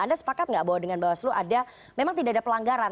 anda sepakat nggak bahwa dengan bawaslu ada memang tidak ada pelanggaran